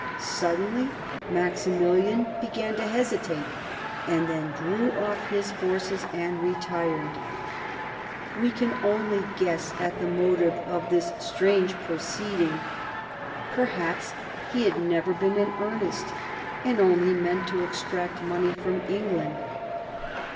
Suddenly Maxi milian began to hesitate, and then drew off his forces and retired. We can only guess at the motive of this strange proceeding; perhaps he had never been in earnest, and only meant to extract money from England.